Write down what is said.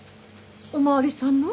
お巡りさんの？